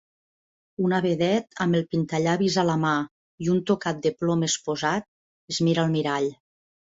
Una vedet amb el pintallavis a la mà i un tocat de plomes posat es mira al mirall